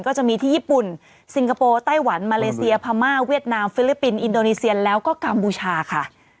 ก็จะมีที่ญี่ปุ่นซิงคโปร์ไต้หวันมาเลเซียพม่าเวียดนามฟิลิปปินส์อินโดนีเซียแล้วก็กัมพูชาค่ะ